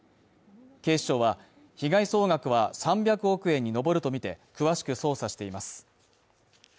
警視庁は被害総額は３００億円に上るとみて詳しく捜査しています。